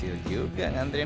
nggak enak ini mas erwin